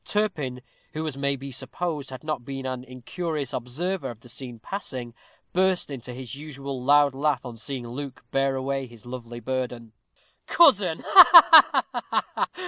Turpin, who, as it may be supposed, had not been an incurious observer of the scene passing, burst into his usual loud laugh on seeing Luke bear away his lovely burden. "Cousin! Ha, ha!"